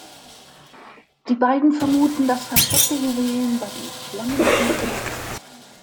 Die beiden vermuten das Versteck der Juwelen bei den Schlangen im Keller.